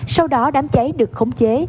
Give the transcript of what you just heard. sau đó đám cháy được khống chế